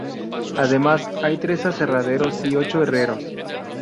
Además, hay tres aserraderos y ocho herreros.